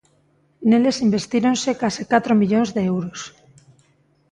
Neles investíronse case catro millóns de euros.